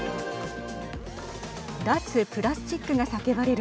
脱プラスチックが叫ばれる